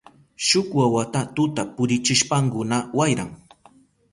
Shuk wawata tuta purichishpankuna wayran.